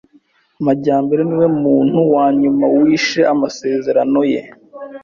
Majyambere niwe muntu wa nyuma wishe amasezerano ye.